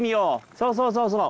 そうそうそうそう。